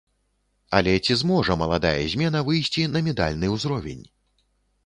Але ці зможа маладая змена выйсці на медальны ўзровень?